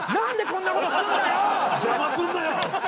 「邪魔するなよ！」。